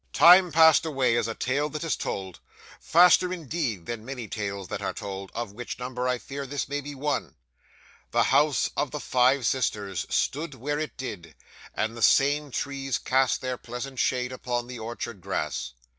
'Time passed away as a tale that is told; faster indeed than many tales that are told, of which number I fear this may be one. The house of the five sisters stood where it did, and the same trees cast their pleasant shade upon the orchard grass.